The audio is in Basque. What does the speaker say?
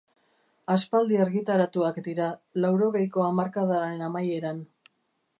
Aspaldi argitaratuak dira, laurogeiko hamarkadaren amaieran.